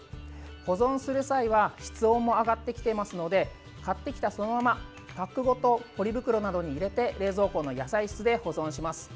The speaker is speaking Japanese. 保存する際は室温も上がってきていますので買ってきたそのままパックごとポリ袋などに入れて冷蔵庫の野菜室で保存します。